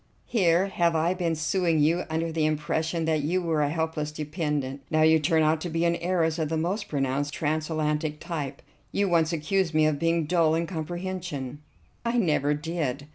Here have I been suing you under the impression that you were a helpless dependent. Now you turn out to be an heiress of the most pronounced transatlantic type. You once accused me of being dull in comprehension." "I never did."